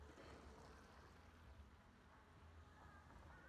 Celé území pak tvořilo součást Dolních Rakous.